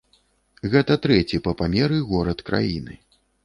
Гэта трэці па памеры горад краіны.